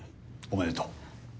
おめでとう。